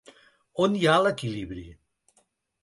On hi ha l’equilibri?